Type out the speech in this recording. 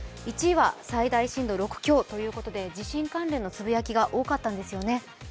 １位は最大震度６強ということで地震関連のつぶやきが多かったんですよね。